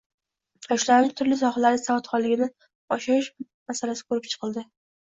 Yoshlarning turli sohalarda savodxonligini oshirish masalasi ko‘rib chiqilding